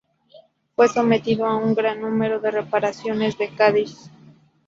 Fue sometido a un gran número de reparaciones en Cádiz.